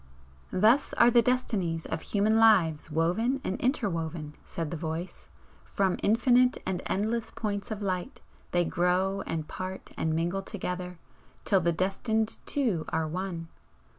"Thus are the destinies of human lives woven and interwoven," said the Voice "From infinite and endless points of light they grow and part and mingle together, till the destined two are one.